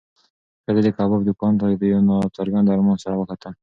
ښځې د کبابي دوکان ته د یو نا څرګند ارمان سره وکتل.